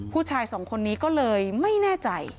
ผู้ชายสองคนนี้ก็เลยไม่แน่ใจ